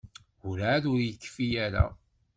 Werɛad ur yekfi ara.